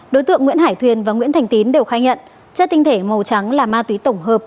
đối tượng nguyễn hải thuyền và nguyễn thành tín đều khai nhận chất tinh thể màu trắng là ma túy tổng hợp